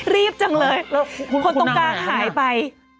รีบจังเลยคนตรงกลางหายไป